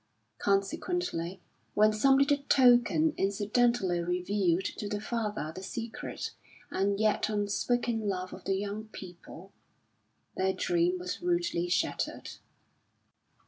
Consequently when some little token incidentally revealed to the father the secret and yet unspoken love of the young people, their dream was rudely shattered.